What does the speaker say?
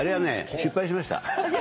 失敗しました？